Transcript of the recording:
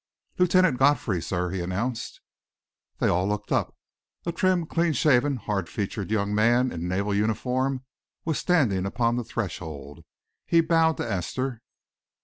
"Lieutenant Godfrey, sir," he announced. They all looked up. A trim, clean shaven, hard featured young man in naval uniform was standing upon the threshold. He bowed to Esther.